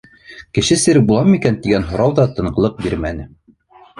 Кеше серек буламы икән тигән һорау ҙа тынғылыҡ бирмәне.